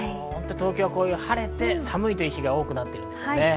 東京は晴れて寒いという日が多くなっていますね。